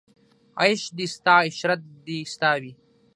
عیش دې ستا عشرت دې ستا وي